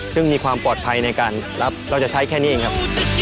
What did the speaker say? ซึ่งมีความปลอดภัยในการรับเราจะใช้แค่นี้เองครับ